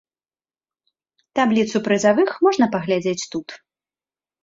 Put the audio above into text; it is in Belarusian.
Табліцу прызавых можна паглядзець тут.